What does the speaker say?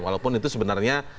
walaupun itu sebenarnya